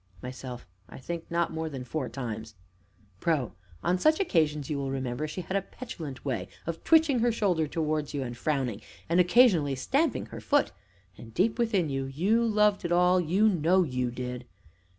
MYSELF. I think not more than four times. PRO. On such occasions, you will remember, she had a petulant way of twitching her shoulder towards you and frowning, and, occasionally, stamping her foot; and, deep within you, you loved it all, you know you did.